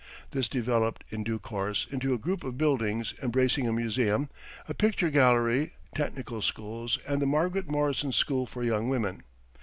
This developed, in due course, into a group of buildings embracing a museum, a picture gallery, technical schools, and the Margaret Morrison School for Young Women.